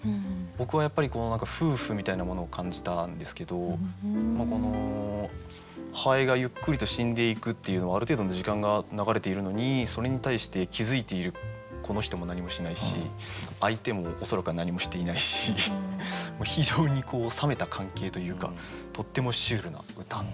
僕は夫婦みたいなものを感じたんですけどこの蝿がゆっくりと死んでいくっていうのはある程度の時間が流れているのにそれに対して気付いているこの人も何もしないし相手も恐らくは何もしていないし非常に冷めた関係というかとってもシュールな歌。